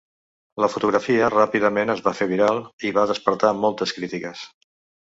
La fotografia ràpidament es va fer viral i va despertar moltes crítiques.